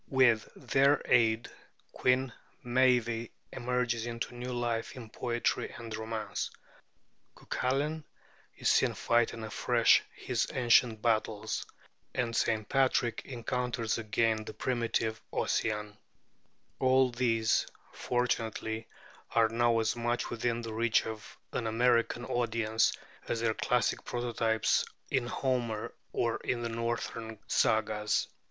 With their aid Queen Meave emerges into new life in poetry and romance; Cuculain is seen fighting afresh his ancient battles; and St. Patrick encounters again the primitive Ossian: all these, fortunately, are now as much within the reach of an American audience as their classic prototypes in Homer or in the northern sagas.